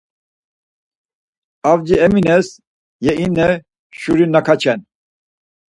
Avci Emines yeine şuri naǩaçen.